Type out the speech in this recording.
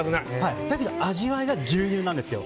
だけど味わいが牛乳なんですよ。